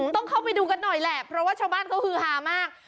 ต้องเข้าไปดูกันหน่อยแหละเพราะว่าชาวบ้านเขาฮือฮามาก